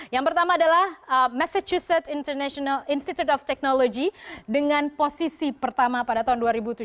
yang pertama adalah massachusetts institute of technology dengan posisi pertama pada tahun dua ribu tujuh belas dua ribu delapan belas